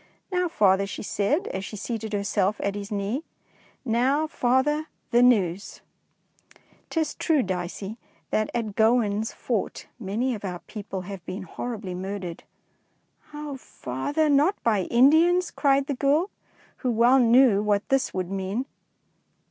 '' Now, father," she said, as she seated herself at his knee, — now, father, the news! " '''Tis true. Dicey, that at Gowan's 228 DICEY LANGSTON Fort many of our people have been horribly murdered/' ''Oh, father, not by Indians," cried the girl, who well knew what this would mean.